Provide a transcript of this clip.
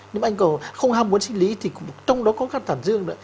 nếu mà anh còn không ham muốn sinh lý thì trong đó có cả thận dương nữa